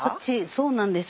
そうなんです。